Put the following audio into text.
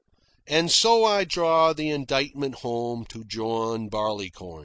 And so I draw the indictment home to John Barleycorn.